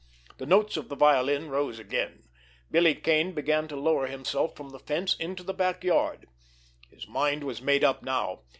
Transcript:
The notes of the violin rose again. Billy Kane began to lower himself from the fence into the backyard. His mind was made up now.